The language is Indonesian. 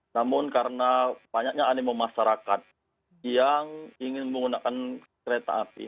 namun karena banyaknya animo masyarakat yang ingin menggunakan kereta api